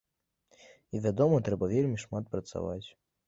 І, вядома, трэба вельмі шмат працаваць.